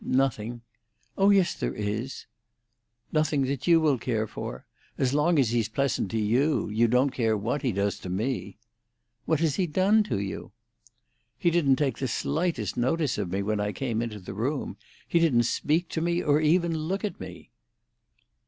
"Nothing." "Oh yes, there is." "Nothing that you will care for. As long as he's pleasant to you, you don't care what he does to me." "What has he done to you?" "He didn't take the slightest notice of me when I came into the room. He didn't speak to me, or even look at me."